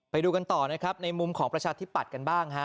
ไปดูกันต่อนะครับในมุมของประชาธิปัตย์กันบ้างฮะ